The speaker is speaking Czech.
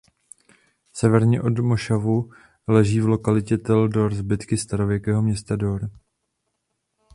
Severně od mošavu leží v lokalitě Tel Dor zbytky starověkého města Dor.